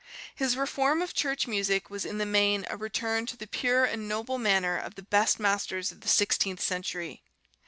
. His reform of church music was in the main a return to the pure and noble manner of the best masters of the sixteenth century